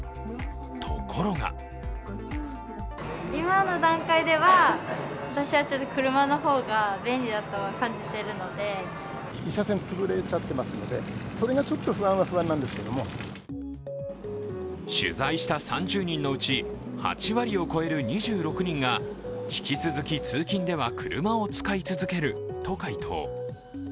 ところが取材した３０人のうち、８割を超える２６人が引き続き通勤では車を使い続けると回答。